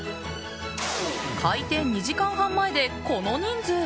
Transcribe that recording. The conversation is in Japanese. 開店２時間半前で、この人数。